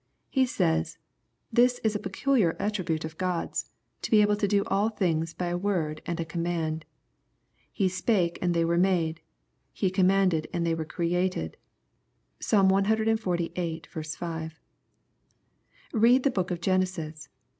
He says, " This is a peculiar attribute of God's, to be able to do all things by a word and a command. * He spake and they were made ;'* He commanded and they were created.' (Psalm cxlviiL 5.) Read the book of Genesis.